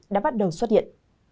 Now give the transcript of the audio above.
đã bắt đầu xuất hiện